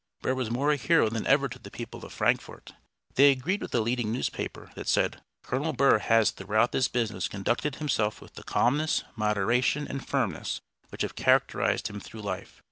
Burr was more a hero than ever to the people of Frankfort. They agreed with a leading newspaper that said, "Colonel Burr has throughout this business conducted himself with the calmness, moderation, and firmness which have characterized him through life.